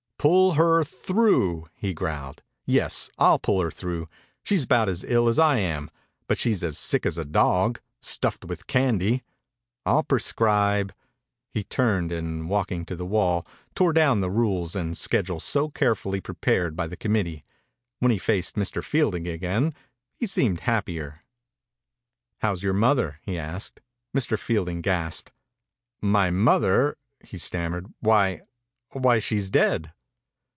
"Pull her through! he growled. "Yes, 1*11 pull her through. She*s about as ill as I am, but she*s as sick as a dog. Stuffed with candy. I *11 pre scribe —He turned, and, walking to io8 THE INCUBATOR BABY the wall, tore down the rules and schedule so carefully pre pared by the committee. When he faced Mr. Fielding again he seemed happier. "How's your mother?" he asked. Mr. Fielding gasped. "My mother! " he stammered. "Why — why, she's dead."